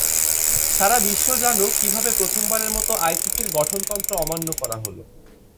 সারা বিশ্ব জানুক কীভাবে প্রথমবারের মতো আইসিসির গঠনতন্ত্র অমান্য করা হলো।